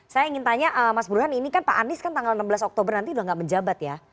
saya ingin tanya mas burhan ini kan pak anies kan tanggal enam belas oktober nanti udah gak menjabat ya